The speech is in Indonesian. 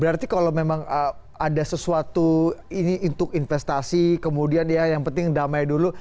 berarti kalau memang ada sesuatu ini untuk investasi kemudian ya yang penting damai dulu